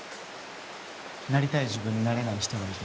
なりたい自分になれない人がいて。